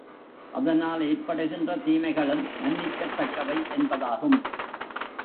அதனால் ஏற்படுகின்ற தீமைகளும் மன்னிக்கத் தக்கவை என்பதாகும்.